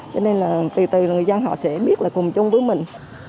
cho nên là từ người dân họ sẽ biết là cùng chung với mình